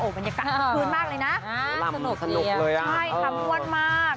โอ้บรรยากาศน้ำคืนมากเลยนะอ๋อลำสนุกเลยอ่ะใช่ทำวนมาก